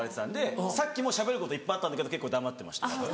さっきもしゃべることいっぱいあったんだけど黙ってました。